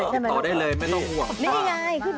ติดต่อได้เลยใช่ไหมลูก